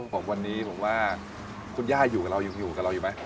บอกวันนี้บอกว่าคุณย่าอยู่กับเราอยู่อยู่ไหม